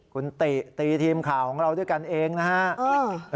คุณติตีทีมข่าวของเราด้วยกันเองนะครับ